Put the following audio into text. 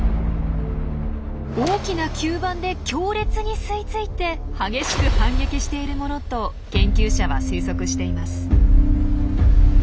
大きな吸盤で強烈に吸い付いて激しく反撃しているものと研究者は推測しています。